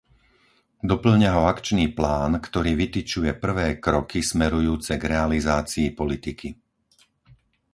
Dopĺňa ho akčný plán, ktorý vytyčuje prvé kroky smerujúce k realizácii politiky.